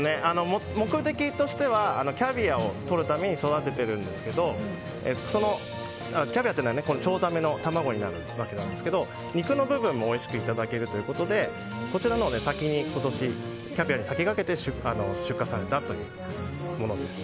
目的としてはキャビアをとるために育ててるんですけどキャビアというのはチョウザメの卵になるわけですが肉の部分もおいしくいただけるということでキャビアに先駆けて出荷されたというものです。